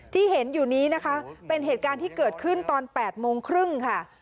ที่เห็นอยู่นี้นะคะเป็นเหตุการณ์ที่เกิดขึ้นตอน๘โมงครึ่งค่ะ